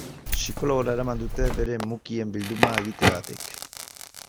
Psikologora eraman dute bere mukien bilduma egiteagatik.